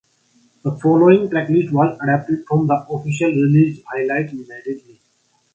The following tracklist was adapted from the official released highlight medley.